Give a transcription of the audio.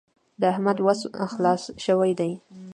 د احمد وس خلاص شوی دی.